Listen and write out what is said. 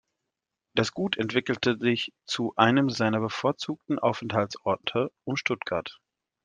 Das Gut entwickelte sich zu einem seiner bevorzugten Aufenthaltsorte um Stuttgart.